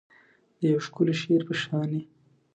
د یو ښکلي شعر په شاني